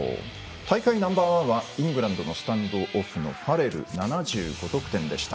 大会ナンバー１はイングランドのスタンドオフのファレルが７５得点でした。